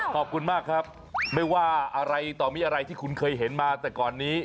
ขอบคุณมากครับไม่ว่าอะไรต่อมีอะไรที่คุณเคยเห็นมาแต่ก่อนนี้